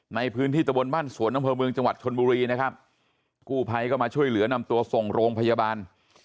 ในพื้นที่ตะบนบ้านสวนอำเภอเมืองจังหวัดชนบุรีนะครับกู้ภัยก็มาช่วยเหลือนำตัวส่งโรงพยาบาล